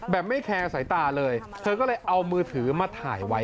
ไม่แคร์สายตาเลยเธอก็เลยเอามือถือมาถ่ายไว้